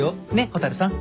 蛍さん。